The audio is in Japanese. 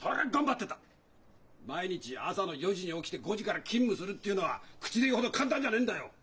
毎日朝の４時に起きて５時から勤務するっていうのは口で言うほど簡単じゃねえんだよ。